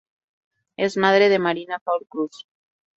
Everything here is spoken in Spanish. Es madre de Marina Paul Cruz.